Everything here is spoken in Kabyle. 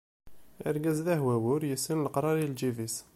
Argaz d ahwawi ur yessin leqrar i lǧib-is.